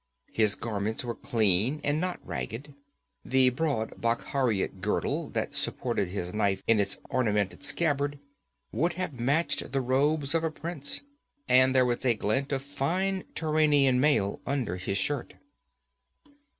His garments were clean and not ragged. The broad Bakhariot girdle that supported his knife in its ornamented scabbard would have matched the robes of a prince, and there was a glint of fine Turanian mail under his shirt.